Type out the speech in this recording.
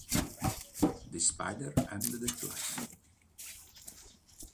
The Spider and the Fly